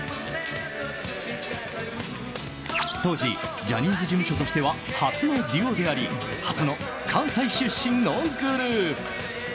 当時ジャニーズ事務所としては初のデュオであり初の関西出身のグループ。